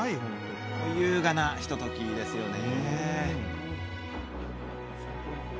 優雅なひとときですよね。